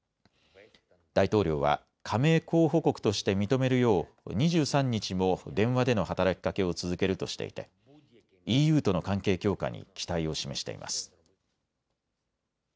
大統領は加盟候補国として認めるよう２３日も電話での働きかけを続けるとしていてＥＵとの関係強化に期待を示しています。